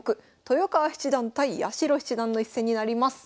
豊川七段対八代七段の一戦になります。